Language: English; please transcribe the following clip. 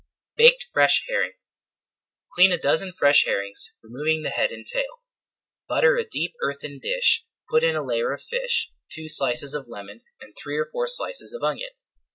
BAKED FRESH HERRING Clean a dozen fresh herrings, removing the head and tail. Butter a deep earthen dish, put in a layer of fish, two slices of lemon, and three or four slices of onion.